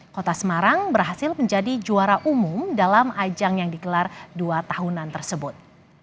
kota semarang berhasil menjadi juara umum dalam ajang yang digelar dua tahunan tersebut